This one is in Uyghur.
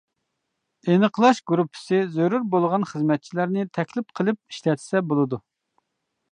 ئېنىقلاش گۇرۇپپىسى زۆرۈر بولغان خىزمەتچىلەرنى تەكلىپ قىلىپ ئىشلەتسە بولىدۇ.